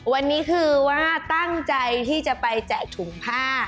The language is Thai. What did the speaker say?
วันนี้คือว่าตั้งใจที่จะไปแจกถุงผ้า